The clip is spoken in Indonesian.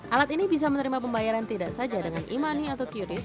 alat ini bisa menerima pembayaran tidak saja dengan e money atau qris